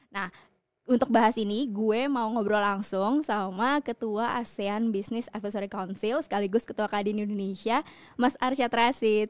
nah untuk bahas ini gue mau ngobrol langsung sama ketua asean business advisory council sekaligus ketua kadin indonesia mas arsyad rashid